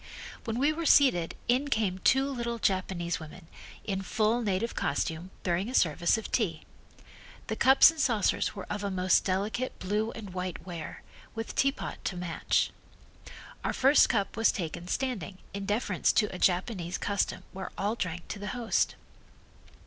When we were seated in came two little Japanese women, in full native costume, bearing a service of tea. The cups and saucers were of a most delicate blue and white ware, with teapot to match. Our first cup was taken standing in deference to a Japanese custom where all drank to the host.